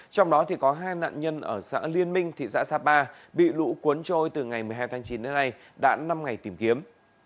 trong đó có hai nạn nhân ở xã liên minh thị xã sapa bị lũ cuốn trôi từ ngày một mươi hai tháng chín đến nay đã năm ngày tìm kiếm